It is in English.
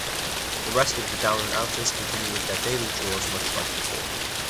The rest of the down-and-outers continue with their daily chores much like before.